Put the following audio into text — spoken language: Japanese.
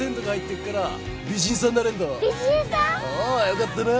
よかったな。